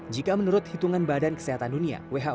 jika menurut hitungan badan kesehatan dunia